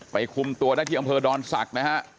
ไปคุมตัวได้ที่กำพือดรศักดิ์นะครับ